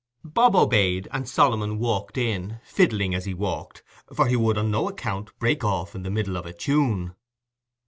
Bob obeyed, and Solomon walked in, fiddling as he walked, for he would on no account break off in the middle of a tune.